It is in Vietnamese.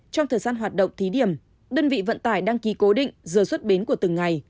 trong thời gian hoạt động thí điểm đơn vị vận tải đăng ký cố định giờ xuất bến của từng ngày